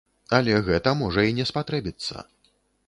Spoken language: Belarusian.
Але гэта можа і не спатрэбіцца.